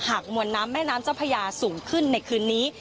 มวลน้ำแม่น้ำเจ้าพญาสูงขึ้นในคืนนี้